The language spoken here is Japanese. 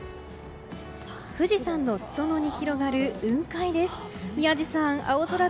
富士山のすそ野に広がる雲海です。